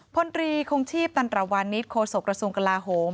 พลตีครงชีพตรรวรณิทโคศกระทรวงกลาโฮม